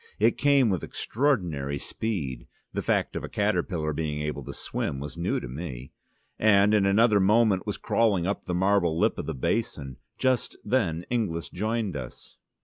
It came with extraordinary speed (the fact of a caterpillar being able to swim was new to me), and in another moment was crawling up the marble lip of the basin. Just then Inglis joined us.